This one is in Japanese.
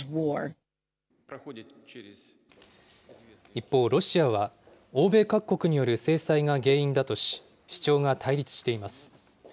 一方、ロシアは、欧米各国による制裁が原因だとし、主張が対立しています。